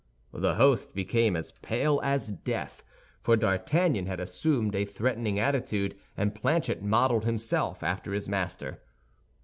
The host became as pale as death; for D'Artagnan had assumed a threatening attitude, and Planchet modeled himself after his master.